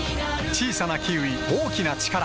小さなキウイ、大きなチカラ